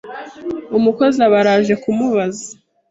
umukozi aba araje kumubaza